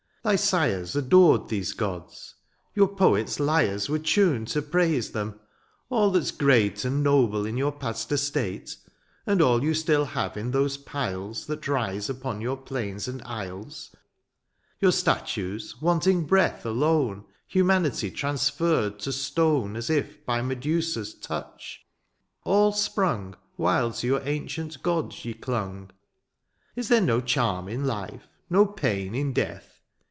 thy sires " Adored these gods — ^your poets* lyres " Were tuned to praise them — all that's great " And noble in your past estate^ " And all you still have in those piles ^^ That rise upon your plains and isles^ " Your statues, wanting breath alone, '^ Humanity transferred to stone " As by Medusa's touch — all sprung " While to your ancient gods ye clung. " Is there no charm in life ?— no pain " In death